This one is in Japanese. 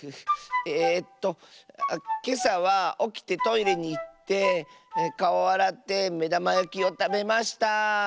えっとけさはおきてトイレにいってかおあらってめだまやきをたべました。